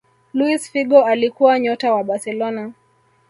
Luis Figo alikuwa nyota wa barcelona